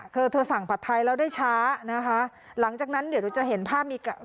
เธอเธอสั่งผัดไทยแล้วได้ช้านะคะหลังจากนั้นเดี๋ยวเราจะเห็นภาพมี